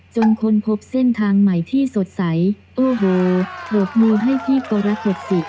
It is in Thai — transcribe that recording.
ค้นพบเส้นทางใหม่ที่สดใสโอ้โหปรบมือให้พี่กรกฎสิ